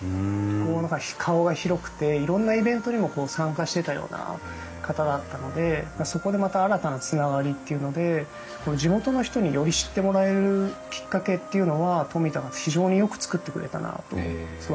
こう何か顔が広くていろんなイベントにも参加してたような方だったのでそこでまた新たなつながりっていうので地元の人により知ってもらえるきっかけっていうのは冨田が非常によく作ってくれたなと思ってますね。